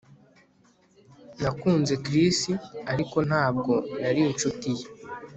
Nakunze Chris ariko ntabwo nari inshuti ye